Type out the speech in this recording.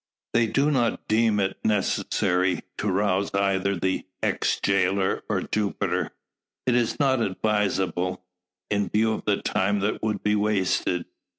They do not deem it necessary to rouse either the ex jailer or Jupiter. It is not advisable, in view of the time that would be wasted.